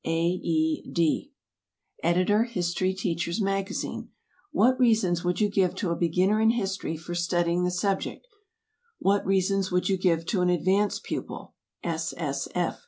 A. E. D. Editor HISTORY TEACHER'S MAGAZINE. What reasons would you give to a beginner in history for studying the subject? What reasons would you give to an advanced pupil?